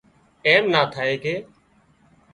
ايم نا ٿائي ڪي